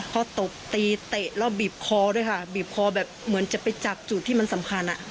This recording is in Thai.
เขาตบตีเตะแล้วบีบคอด้วยค่ะบีบคอแบบเหมือนจะไปจับจุดที่มันสำคัญอ่ะ